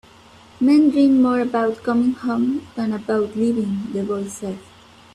"Men dream more about coming home than about leaving," the boy said.